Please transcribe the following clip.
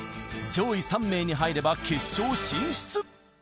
上位３名に入れば決勝進出。